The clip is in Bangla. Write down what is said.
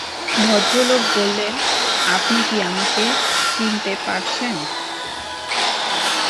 ভদ্রলোক বললেন, আপনি কি আমাকে চিনতে পারছেন?